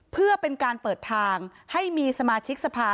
เพื่อเป็นการเปิดทางให้มีสมาชิกสภา